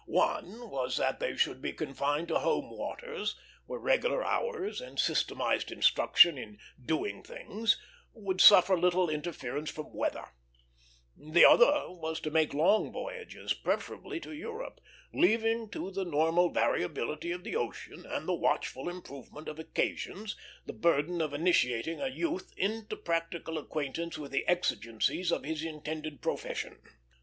One was that they should be confined to home waters, where regular hours and systematized instruction in "doing things" would suffer little interference from weather; the other was to make long voyages, preferably to Europe, leaving to the normal variability of the ocean and the watchful improvement of occasions the burden of initiating a youth into practical acquaintance with the exigencies of his intended profession.